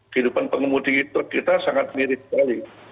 kehidupan pengemudi itu kita sangat mirip sekali